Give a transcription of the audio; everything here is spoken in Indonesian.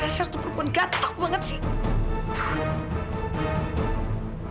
rasanya satu perempuan gatok banget sih